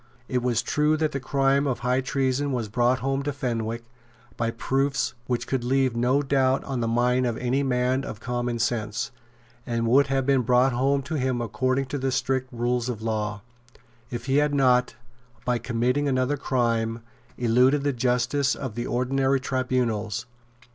It was true that the crime of high treason was brought home to Fenwick by proofs which could leave no doubt on the mind of any man of common sense, and would have been brought home to him according to the strict rules of law, if he had not, by committing another crime, eluded the justice of the ordinary tribunals.